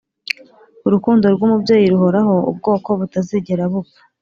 urukundo rw'umubyeyi ruhoraho, ubwoko butazigera bupfa.